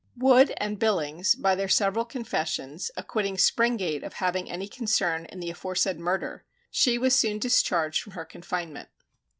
Wood and Billings, by their several confessions, acquitting Springate of having any concern in the aforesaid murder, she was soon discharged from her confinement.